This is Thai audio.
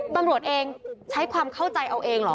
ตำรวจเองใช้ความเข้าใจเอาเองเหรอ